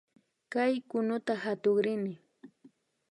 Kay kunuta katukrini